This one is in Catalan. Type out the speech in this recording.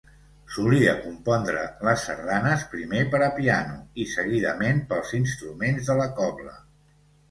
Solia compondre les sardanes primer per a piano i seguidament pels instruments de la cobla.